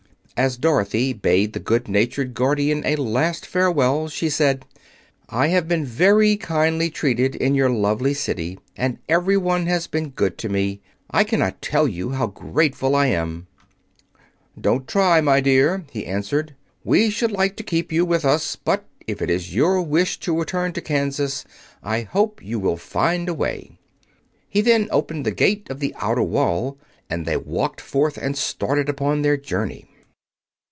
As Dorothy bade the good natured Guardian a last farewell she said: "I have been very kindly treated in your lovely City, and everyone has been good to me. I cannot tell you how grateful I am." "Don't try, my dear," he answered. "We should like to keep you with us, but if it is your wish to return to Kansas, I hope you will find a way." He then opened the gate of the outer wall, and they walked forth and started upon their journey.